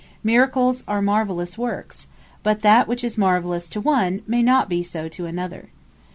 Miracles are Marvellous workes: but that which is marvellous to one, may not be so to another.